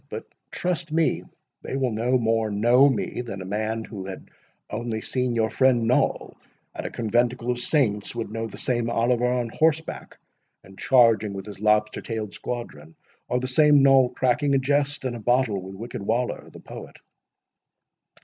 But trust me, they will no more know me, than a man who had only seen your friend Noll at a conventicle of saints, would know the same Oliver on horseback, and charging with his lobster tailed squadron; or the same Noll cracking a jest and a bottle with wicked Waller the poet."